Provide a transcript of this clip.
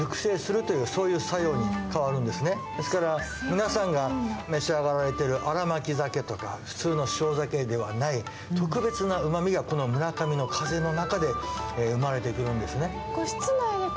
皆さんが召し上がられている新巻き鮭とか普通の塩鮭ではない特別のうまみがこの村上の風の中で生まれてくるんですね。